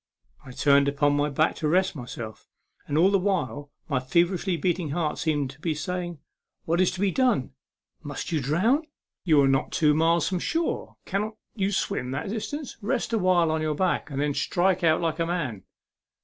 I turned upon my back to rest myself, and all the while my feverishly beating heart seemed to be saying, " What is to be done ? Must you drown? You are not two miles from the 74 A MEMORABLE SWIM. shore. Cannot you swim that distance ? Rest awhile on your back, and then strike out like a man.